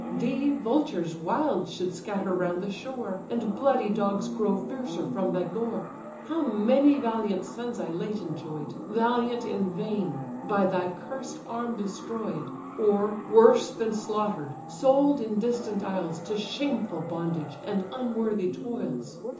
Thee, vultures wild should scatter round the shore, And bloody dogs grow fiercer from thy gore. How many valiant sons I late enjoy'd, Valiant in vain! by thy cursed arm destroy'd: Or, worse than slaughtered, sold in distant isles To shameful bondage, and unworthy toils.